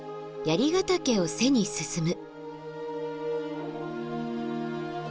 槍ヶ岳を背に進む。